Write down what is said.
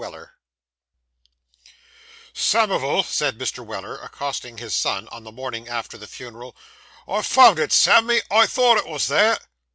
WELLER Samivel,' said Mr. Weller, accosting his son on the morning after the funeral, 'I've found it, Sammy. I thought it wos there.